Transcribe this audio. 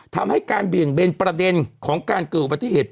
ทำให้การเบี่ยงเบนประเด็นของการเกิดอุบัติเหตุ